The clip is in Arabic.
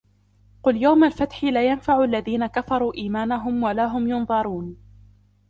قُلْ يَوْمَ الْفَتْحِ لَا يَنْفَعُ الَّذِينَ كَفَرُوا إِيمَانُهُمْ وَلَا هُمْ يُنْظَرُونَ